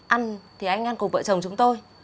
ăn thì anh ăn cùng vợ chồng chúng tôi